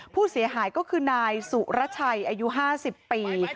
ผู้เสียหายก็คือนายสุรชัยอายุ๕๐ปี